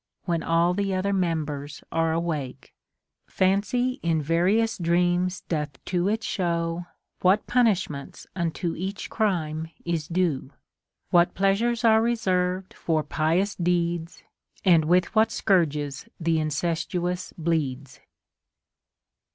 When all the other members are awake. Fancy in various dreams doth to it show. What punishments unto each crime is due ; What pleasures are reserved for pious deeds, And with what scourges the incestuous bleeds. CONSOLATION TO APOLLONIUS.